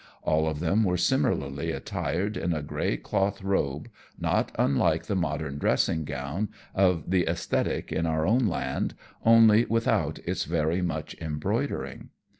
All of them were similarly attired in a grey cloth robe, not unlike the modern dressing gown of the aesthetic in our own land, only without its very much embroidering.